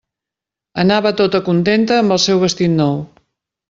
Anava tota contenta amb el seu vestit nou.